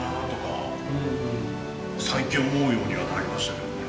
最近思うようにはなりましたけどね。